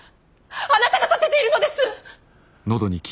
あなたがさせているのです！